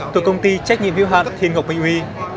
từ công ty trách nhiệm hiệu hạn thiên ngọc minh huy